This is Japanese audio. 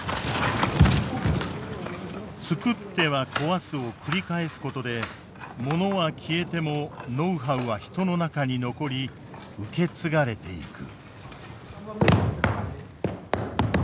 つくっては壊すを繰り返すことでものは消えてもノウハウは人の中に残り受け継がれていく。